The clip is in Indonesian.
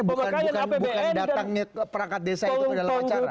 bukan datangnya perangkat desa itu ke dalam acara